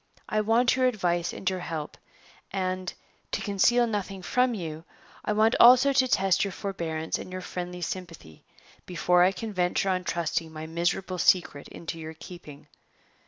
I want your advice and your help; and, to conceal nothing from you, I want also to test your forbearance and your friendly sympathy, before I can venture on thrusting my miserable secret into your keeping.